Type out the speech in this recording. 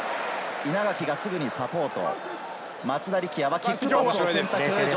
稲垣がすぐにサポート。